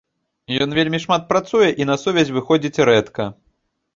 Ён вельмі шмат працуе і на сувязь выходзіць рэдка.